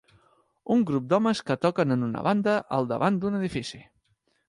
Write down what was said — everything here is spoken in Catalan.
Un grup d'homes que toquen en una banda al davant d'un edifici.